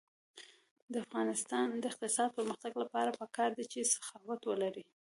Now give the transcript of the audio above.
د افغانستان د اقتصادي پرمختګ لپاره پکار ده چې سخاوت ولرو.